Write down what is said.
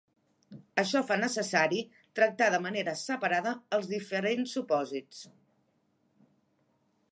Això fa necessari tractar de manera separada els diferents supòsits.